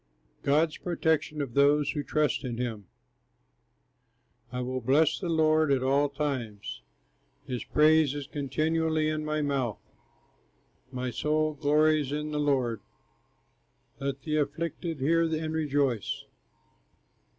GOD'S PROTECTION OF THOSE WHO TRUST IN HIM I will bless the Lord at all times, His praise is continually in my mouth, My soul glories in the Lord, Let the afflicted hear and rejoice.